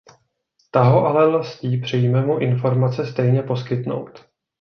Ta ho ale lstí přijme mu informace stejně poskytnout.